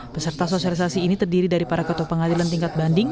peserta sosialisasi ini terdiri dari para ketua pengadilan tingkat banding